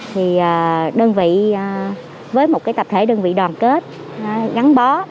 thì đơn vị với một cái tập thể đơn vị đoàn kết gắn bó